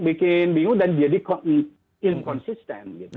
bikin bingung dan jadi inconsistent